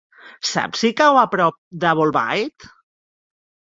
Saps si cau a prop de Bolbait?